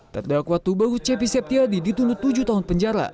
terdakwa tugbagu cepi siptyadi dituntut tujuh tahun penjara